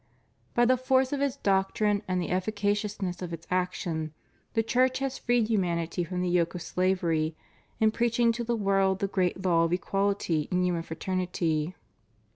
By the force of its doctrine and the effica ciousness of its action the Church has freed humanity from the yoke of slavery in preaching to the world the great law of equaUty and human fraternity.